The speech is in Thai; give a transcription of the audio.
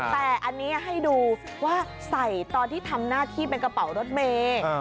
แต่อันนี้ให้ดูว่าใส่ตอนที่ทำหน้าที่เป็นกระเป๋ารถเมย์